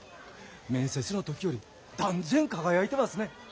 面接の時より断然輝いてますね。